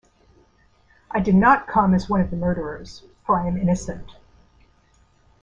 I did not come as one of the murderers, for I am innocent.